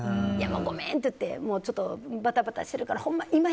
ごめんって言ってバタバタしてるからほんま